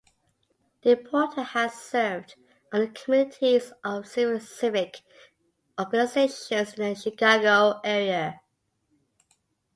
DePorter has served on the committees of several civic organizations in the Chicago area.